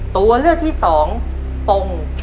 ตัวเลือกที่๒ปง